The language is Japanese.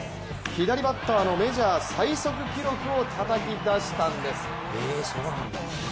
左バッターのメジャー最速記録をたたき出したんです。